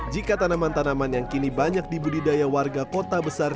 jika tanaman tanaman yang kini banyak dibudidaya warga kota besar